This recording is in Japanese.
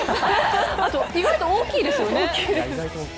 あと意外と大きいですよね。